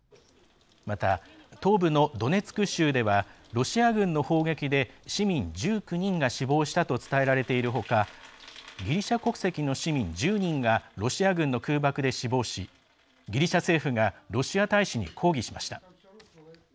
また、東部のドネツク州ではロシア軍の砲撃で市民１９人が死亡したと伝えられているほかギリシャ国籍の市民１０人がロシア軍の空爆で死亡しギリシャ政府がロシア大使に抗議しました。